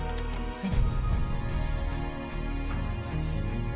はい。